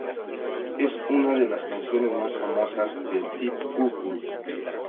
Es una de las canciones más famosas de Deep Purple.